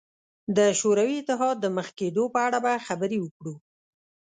د شوروي اتحاد د مخ کېدو په اړه به خبرې وکړو.